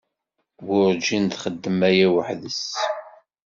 Werǧin txeddem aya weḥd-s.